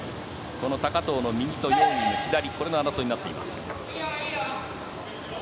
この高藤の右とヨウ・ユウイの左これの争いになっています。